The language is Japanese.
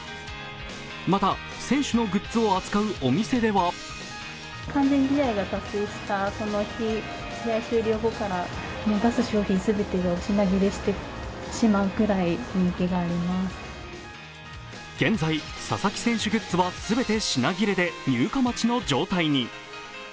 また選手のグッズを扱うお店では現在、佐々木選手グッズは全て品切れで入荷待ちの状態に。